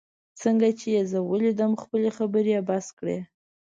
څنګه چي یې زه ولیدم، خپلې خبرې یې بس کړې.